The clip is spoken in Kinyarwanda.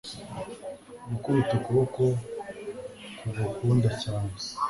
gukubita ukuboko kugukunda cyane